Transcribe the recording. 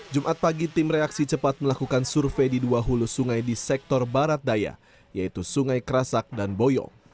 jumat pagi tim reaksi cepat melakukan survei di dua hulu sungai di sektor barat daya yaitu sungai kerasak dan boyo